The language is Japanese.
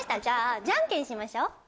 じゃあじゃんけんしましょう。